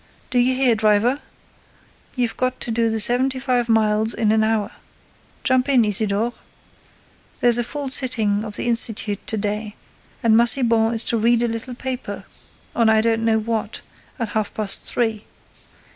Do you hear, driver? You've got to do seventy five miles an hour. Jump in, Isidore. There's a full sitting of the Institute to day, and Massiban is to read a little paper, on I don't know what, at half past three.